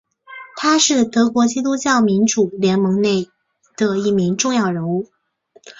他是德国基督教民主联盟内的一名重要人物。